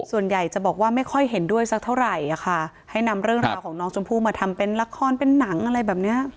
ส่วนใหญ่จะบอกว่าไม่ค่อยเห็นด้วยสักเท่าไหร่อะค่ะให้นำเรื่องราวของน้องชมพู่มาทำเป็นละครเป็นหนังอะไรแบบเนี้ย